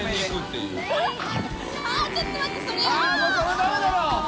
もうそれダメだろ！